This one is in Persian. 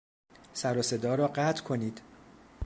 سر و صدا را قطع کنید!